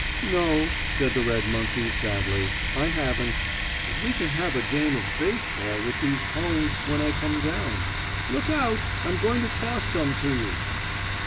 "No," said the red monkey, sadly, "I haven't, but we can have a game of baseball with these cones when I come down. Look out, I'm going to toss some to you."